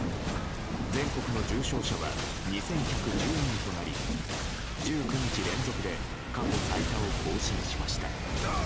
全国の重症者は２１１０人となり１９日連続で過去最多を更新しました。